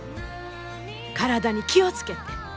体に気を付けて。